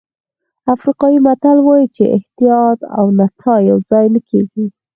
افریقایي متل وایي احتیاط او نڅا یوځای نه کېږي.